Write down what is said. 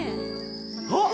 あっ！